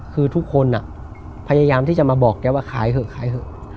คือทุกคนพยายามที่จะมาบอกแกว่าขายเถอะขายเถอะ